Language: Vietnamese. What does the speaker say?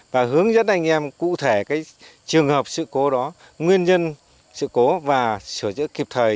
và hướng dẫn anh em cụ thể trường hợp sự cố đó nguyên nhân sự cố và sửa chữa kịp thời